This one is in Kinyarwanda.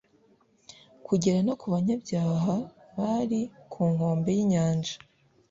bugera no ku banyabyaha bari ku nkombe y'inyanja: